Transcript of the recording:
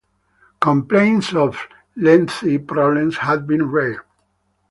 Complaints of "lengthy" problems have been rare.